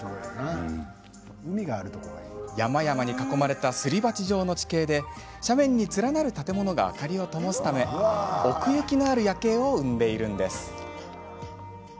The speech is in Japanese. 山々に囲まれたすり鉢状の地形で斜面に連なる建物が明かりをともすため奥行きのある夜景を生んでいるんです。